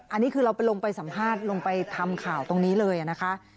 อันนี้คือเราไปลงไปสัมภาษณ์ลงไปทำข่าวตรงนี้เลยนะคะ